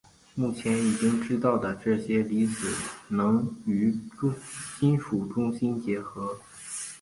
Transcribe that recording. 目前已经知道这些离子能与金属中心结合。